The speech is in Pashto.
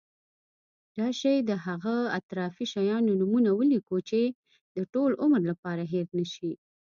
راشي د هغه اطرافي شیانو نومونه ولیکو چې د ټول عمر لپاره هېر نشی.